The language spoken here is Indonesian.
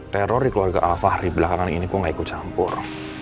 teror keluarga al fahri belakangan ini kok gak ikut campur